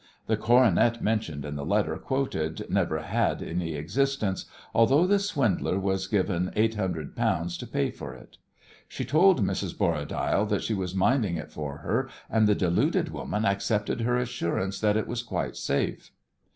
The coronet mentioned in the letter quoted never had any existence, although the swindler was given eight hundred pounds to pay for it. She told Mrs. Borradaile that she was minding it for her, and the deluded woman accepted her assurance that it was quite safe.